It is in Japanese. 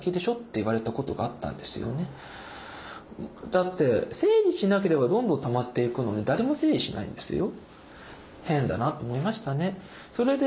だって整理しなければどんどんたまっていくのに誰も整理しないんですよ。